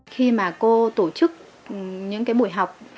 khi mà cô tổ chức những cái buổi học